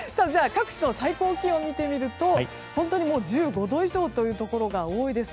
各地の最高気温を見てみると本当に１５度以上というところが多いです。